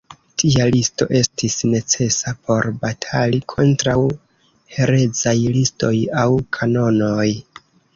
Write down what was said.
Tia listo estis necesa por batali kontraŭ herezaj listoj aŭ kanonoj.